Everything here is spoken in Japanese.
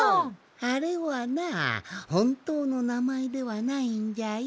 あれはなほんとうのなまえではないんじゃよ。